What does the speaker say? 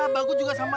bagus juga sama